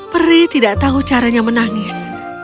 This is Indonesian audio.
peri tidak tahu caranya menangis